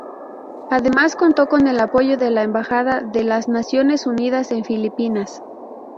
Además contó con el apoyo de la embajada de las Naciones Unidas en Filipinas.